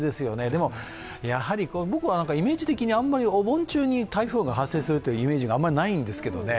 でも僕はイメージ的にお盆中に台風が発生するイメージがあんまりないんですけどね。